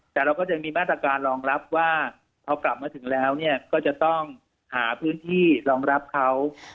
แต่เราก็จะมีมาตรการรองรับว่าพอกลับมาถึงแล้วก็จะต้องหาพื้นที่รองรับเขา